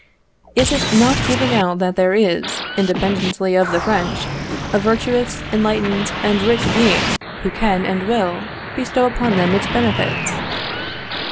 Is it not giving out that there is, independently of the French, a virtuous, enlightened, and rich being, who can and will bestow upon them its benefits?